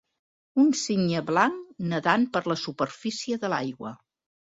Un cigne blanc nedant per la superfície de l'aigua.